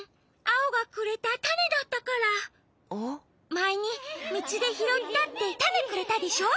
まえにみちでひろったってたねくれたでしょ？